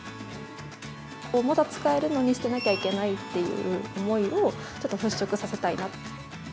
まだ使えるのに捨てなきゃいけないっていう思いを、ちょっと払拭させたいなと。